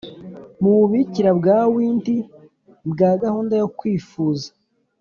mububikira bwa wintry bwa gahunda yo kwifuza